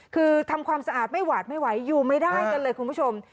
คือทำความสะอาดไม่หวาดไม่ไหวอยู่ไม่ได้กันเลยคุณผู้ชม